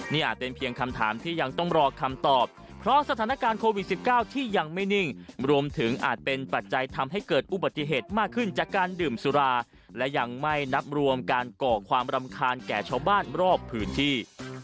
นี่อาจเป็นเพียงคำถามที่ยังต้องรอคำตอบเพราะสถานการณ์โควิด๑๙ที่ยังไม่นิ่งรวมถึงอาจเป็นปัจจัยทำให้เกิดอุบัติเหตุมากขึ้นจากการดื่มสุราและยังไม่นับรวมการก่อความรำคาญแก่ชาวบ้านรอบพื้นที่